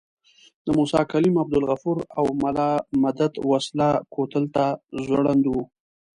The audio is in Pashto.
د موسی کلیم، عبدالغفور او ملا مدت وسله کوتل ته ځوړند وو.